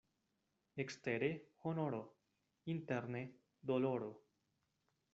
Ekstere honoro, interne doloro.